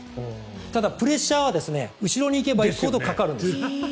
ただ、プレッシャーは後ろに行けば行くほどかかるんですよ。